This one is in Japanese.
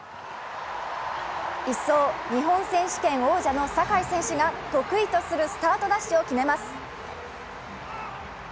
１走、日本選手権王者の坂井選手が得意とするスタートダッシュを決めます。